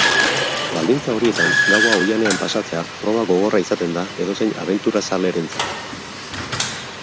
Baldintza horietan gaua oihanean pasatzea proba gogorra izaten da edozein abenturazalerentzat.